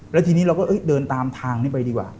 แล้วทีนี้เราก็เดินตามทางนี้ไปดีกว่า